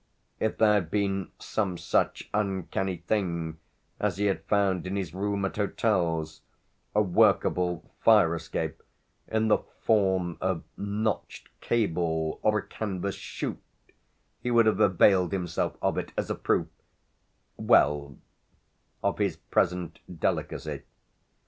If there had been some such uncanny thing as he had found in his room at hotels, a workable fire escape in the form of notched cable or a canvas shoot, he would have availed himself of it as a proof well, of his present delicacy.